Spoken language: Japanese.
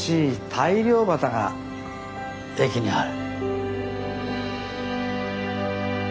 大漁旗が駅にある。